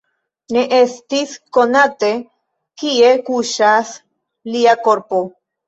Ne estas konate, kie kuŝas lia korpo.